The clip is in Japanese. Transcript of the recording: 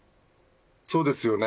そうですよね。